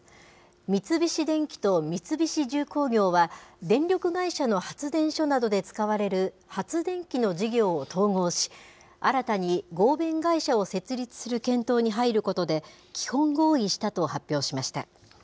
三菱電機と三菱重工業は、電力会社の発電所などで使われる発電機の事業を統合し、新たに合弁会社を設立する検討に入ることで、基本合意したと発表しました。